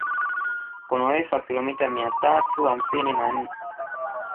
Kuna urefu wa kilomita mia tatu hamsini na nne